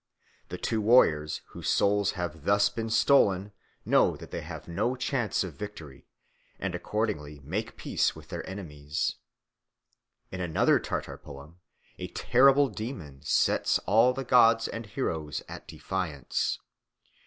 The two warriors whose souls have thus been stolen know that they have no chance of victory, and accordingly make peace with their enemies. In another Tartar poem a terrible demon sets all the gods and heroes at defiance.